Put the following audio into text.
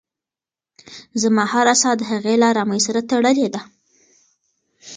زما هره ساه د هغې له ارامۍ سره تړلې ده.